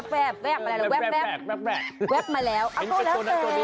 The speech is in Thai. แว๊บแว๊บแว๊บแว๊บแว๊บแว๊บแว๊บแว๊บ